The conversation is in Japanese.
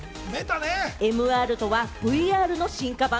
ＭＲとはＶＲの進化版。